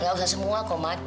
gak usah semua kok mak